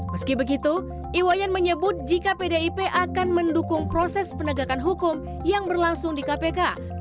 meski begitu iwayan menyebut jika pdip akan mendukung proses penegakan hukum yang berlangsung di kpk